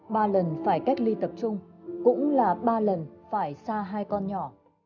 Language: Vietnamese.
ba lần phải cách ly tập trung cũng là ba lần phải xa hai con nhỏ